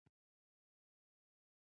دوی محصولات د پلورونکو په واک کې ورکول.